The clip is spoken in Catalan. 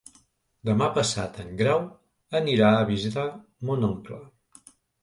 Demà passat en Grau anirà a visitar mon oncle.